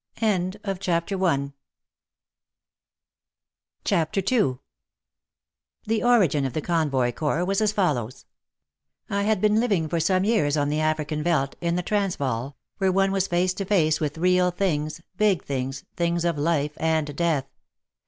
CHAPTER II The origin of the Convoy Corps was as follows : I had been living for some years on the African veldt — in the Transvaal — where one was face to face with real things, big things, things of life and death.